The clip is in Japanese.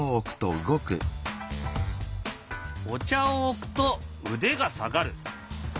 お茶を置くと腕が下がる。